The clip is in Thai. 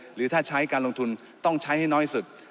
หรือถ้าใช้การลงทุนต้องใช้ให้น้อยสุด